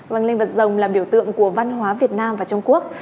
văn linh vật rồng là biểu tượng của văn hóa việt nam và trung quốc